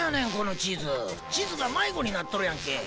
地図が迷子になっとるやんけ。